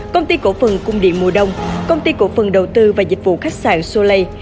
công ty cổ phần cung điện mùa đông công ty cổ phần đầu tư và dịch vụ khách sạn solay